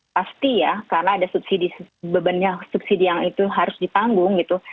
pasti ya karena ada subsidi bebannya subsidi yang itu harus ditanggung gitu